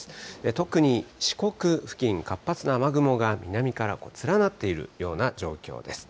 特に四国付近、活発な雨雲が南から連なっているような状況です。